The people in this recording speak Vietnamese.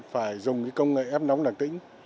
phải dùng cái công nghệ ép nóng đẳng tĩnh